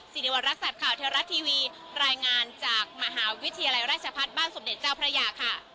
สิริวัณรักษัตริย์ข่าวเทวรัฐทีวีรายงานจากมหาวิทยาลัยราชพัฒน์บ้านสมเด็จเจ้าพระยาค่ะ